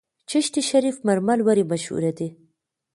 چشت شریف مرمر ولې مشهور دي؟